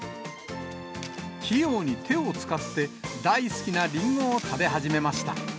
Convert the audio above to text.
器用に手を使って、大好きなリンゴを食べ始めました。